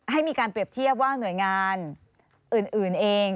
ให้มีการเปรียบเทียบว่าหน่วยงานอื่นเอง